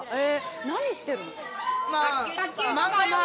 何してるの？